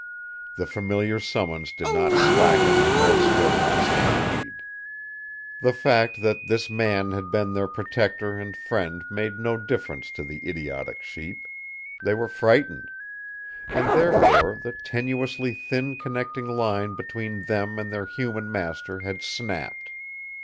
The familiar summons did not slacken nor swerve the stampede. The fact that this man had been their protector and friend made no difference to the idiotic sheep. They were frightened. And, therefore, the tenuously thin connecting line between them and their human master had snapped.